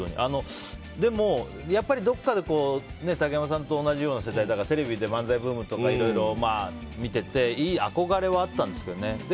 でも、どこかで竹山さんと同じような世代だからテレビで漫才ブームとかいろいろ見てて憧れはあったんですけどね。